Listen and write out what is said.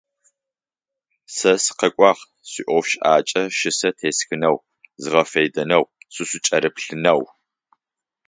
Сэ сыкъэкӏуагъ шъуиӏофшӏакӏэ щысэ тесхынэу, згъэфедэнэу, сышъукӏырыплъынэу.